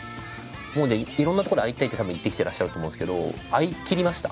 いろんなとこで「会いたい」とたぶん言ってきてらっしゃると思うんですけど会いきりました？